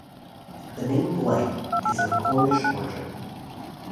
The name Blight is of Cornish origin.